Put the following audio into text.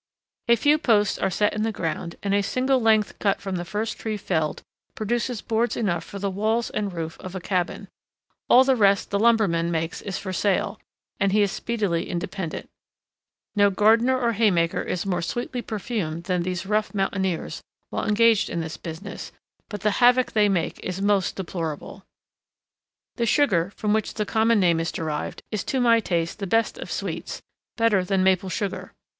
A few posts are set in the ground, and a single length cut from the first tree felled produces boards enough for the walls and roof of a cabin; all the rest the lumberman makes is for sale, and he is speedily independent. No gardener or haymaker is more sweetly perfumed than these rough mountaineers while engaged in this business, but the havoc they make is most deplorable. [Illustration: SUGAR PINE ON EXPOSED RIDGE.] The sugar, from which the common name is derived, is to my taste the best of sweets—better than maple sugar.